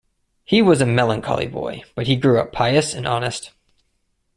He was a melancholy boy, but he grew up pious and honest.